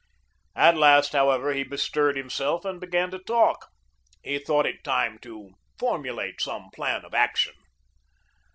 At last, however, he bestirred himself and began to talk. He thought it time to formulate some plan of action.